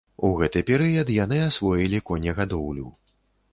У гэты перыяд яны асвоілі конегадоўлю.